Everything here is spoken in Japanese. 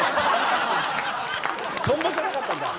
『とんぼ』じゃなかったんだ。